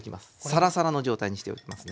サラサラの状態にしておきますね。